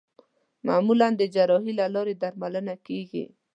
معمولا د جراحۍ له لارې درملنه کېږي.